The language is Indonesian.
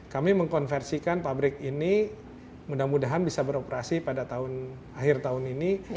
kami mengkonversikan pabrik ini mudah mudahan bisa beroperasi pada akhir tahun ini